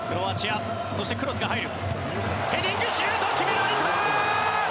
ヘディングシュート決められた！